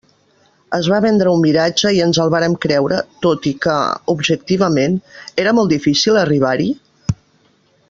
Es va vendre un miratge i ens el vàrem creure, tot i que, objectivament, era molt difícil arribar-hi?